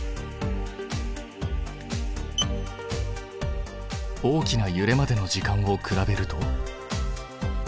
大きなゆれまでの時間を比べると？